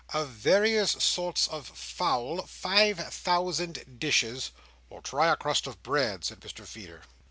"Of various sorts of fowl, five thousand dishes." "Or try a crust of bread," said Mr Feeder.